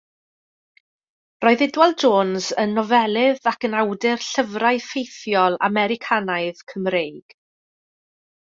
Roedd Idwal Jones yn nofelydd ac yn awdur llyfrau ffeithiol Americanaidd Cymreig.